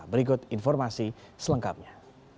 berikut informasi selengkapnya